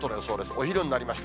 お昼になりました。